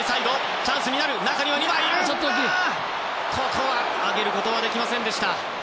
ここは上げることはできませんでした。